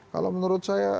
kalau menurut saya